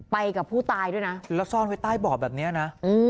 ไปกับผู้ตายด้วยน่ะก็ซ่อนไปใต้บ่อแบบนี้น่่ะ